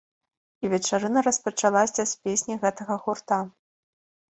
І вечарына распачалася з песні гэтага гурта.